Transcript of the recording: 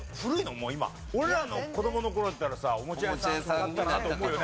俺らの子供の頃だったらさおもちゃ屋さんだったなと思うよね。